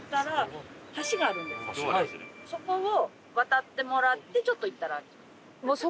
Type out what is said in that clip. そこを渡ってもらってちょっと行ったらあります。